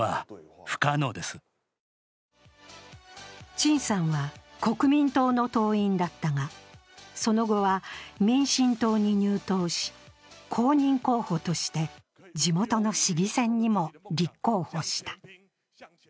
陳さんは国民党の党員だったが、その後は民進党に入党し、公認候補として地元の市議選にも立候補した。